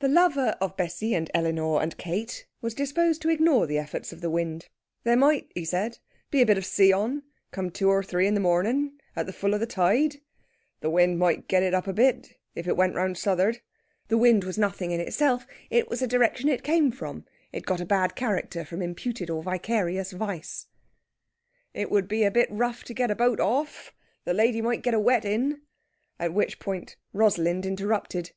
The lover of Bessie and Elinor and Kate was disposed to ignore the efforts of the wind. There might, he said, be a bit of sea on, come two or three in the marn'n at the full of the tide. The wind might get up a bit, if it went round suth'ard. The wind was nothing in itself it was the direction it came from; it got a bad character from imputed or vicarious vice. It would be a bit rough to get a boat off the lady might get a wetting.... At which point Rosalind interrupted.